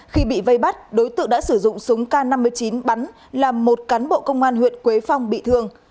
khi bị vây bắt đối tượng đã sử dụng súng k năm mươi chín bắn làm một cán bộ công an huyện quế phong bị thương